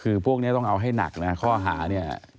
คือต้องตั้งข้อหาไม่ใช่ว่าข้อหาเบาแล้วก็ไม่หลาบจำกัน